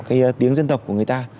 cái tiếng dân tộc của người ta